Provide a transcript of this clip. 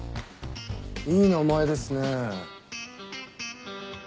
いい名前ですねぇ。